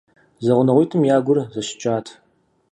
ЗэгъунэгъуитӀым я гур зэщыкӀащ.